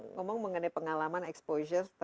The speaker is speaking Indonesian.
ngomong mengenai pengalaman exposure terhadap film ini